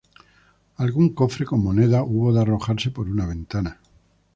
Algún cofre con monedas hubo de arrojarse por una ventana.